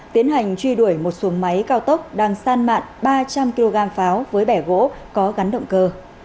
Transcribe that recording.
tiến hành truy đuổi một xuồng máy cao tốc đang san mạn ba trăm linh kg pháo với bẻ gỗ có gắn động cơ